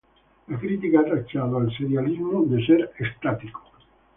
La crítica ha tachado al serialismo de ser estático.